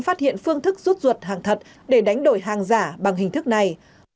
phát hiện phương thức rút ruột hàng thật để đánh đổi hàng giả bằng hình thức này